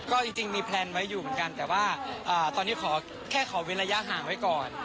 ก็จริงมีแพลนไว้อยู่เหมือนกันแต่ว่าตอนนี้ขอแค่ขอเว้นระยะห่างไว้ก่อน